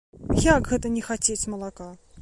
Як гэта не хацець малака!